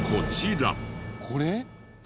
これ？